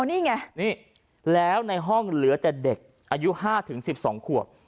นี่ไงนี่แล้วในห้องเหลือแต่เด็กอายุ๕๑๒ขวบ